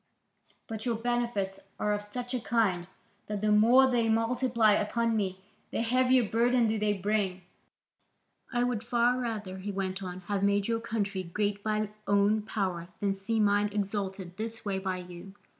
But your benefits are of such a kind that the more they multiply upon me, the heavier burden do they bring. I would far rather," he went on, "have made your country great by own power than see mine exalted in this way by you.